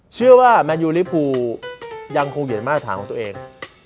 เชื่อว่าแมนยูลิฟภูยังคงอยู่ในมาตรฐานของตัวเอง